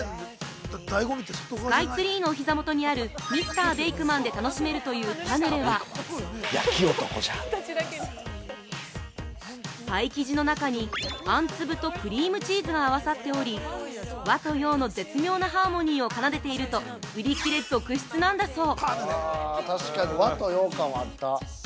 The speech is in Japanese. スカイツリーのお膝元にあるミスターベイクマンで楽しめるというパヌレはパイ生地の中にあんつぶとクリームチーズが合わさっており和と洋の絶妙なハーモニーを奏でていると売り切れ続出なんだそう。